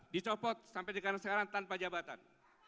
dicopot sampai sekarang tanpa jabatan